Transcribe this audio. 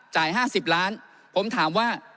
จ่าย๕๐ล้านผมถามว่า